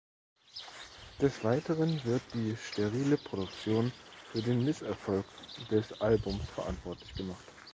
Des Weiteren wird die sterile Produktion für den Misserfolg des Albums verantwortlich gemacht.